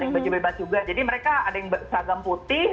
baju bebas juga jadi mereka ada yang seragam putih